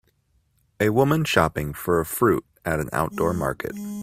A woman shopping for fruit at an outdoor market